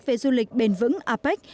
về du lịch bền vững apec